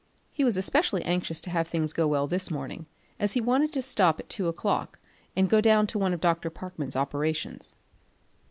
He was especially anxious to have things go well this morning, as he wanted to stop at two o'clock and go down to one of Dr. Parkman's operations.